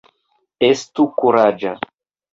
Estu kuraĝa!